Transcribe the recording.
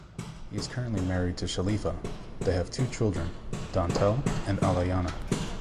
He is currently married to Shalifa; they have two children, Dantel and Alayana.